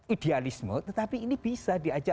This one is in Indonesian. idealisme tetapi ini bisa diajak